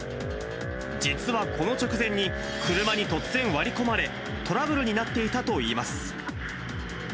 実はこの直前に、車に突然割り込まれ、トラブルになっていたといいます。